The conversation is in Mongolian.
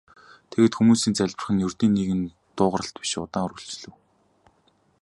Тэгээд хүмүүсийн залбирах нь ердийн нэг дуугаралт биш удаан үргэлжлэв.